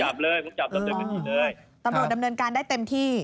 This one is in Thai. ตำรวจดำเนินการได้เต็มที่